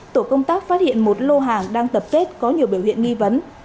tổ công tác phát hiện một lô hàng đang tập kết có nhiều biểu hiện nghi vấn